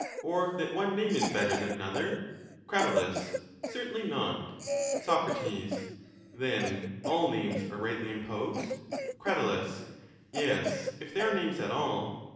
Or that one name is better than another? Crat. Certainly not. Soc. Then all names are rightly imposed? Crat. Yes, if they are names at all.